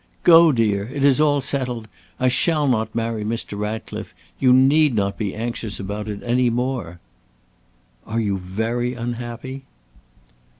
"Go, dear! it is all settled. I shall not marry Mr. Ratcliffe. You need not be anxious about it any more." "Are you very unhappy?"